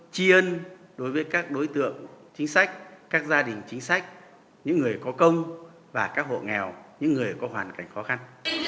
chi ân đối với các đối tượng chính sách các gia đình chính sách những người có công và các hộ nghèo những người có hoàn cảnh khó khăn